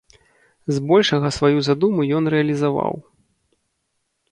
Збольшага сваю задуму ён рэалізаваў.